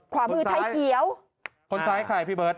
ขวามือไทยเขียวคนซ้ายใครพี่เบิร์ต